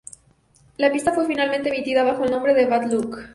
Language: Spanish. La pista fue finalmente emitida bajo el nombre de "Bad Luck".